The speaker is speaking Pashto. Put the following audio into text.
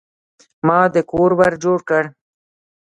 ما د کور ور جوړ کړ.